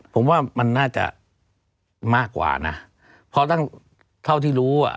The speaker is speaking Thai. ผมว่ามันน่าจะมากกว่านะเพราะตั้งเท่าที่รู้อ่ะ